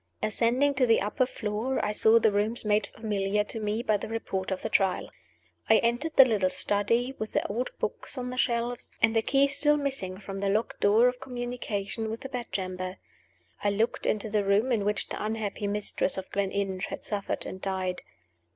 Ascending to the upper floor, I saw the rooms made familiar to me by the Report of the Trial. I entered the little study, with the old books on the shelves, and the key still missing from the locked door of communication with the bedchamber. I looked into the room in which the unhappy mistress of Gleninch had suffered and died.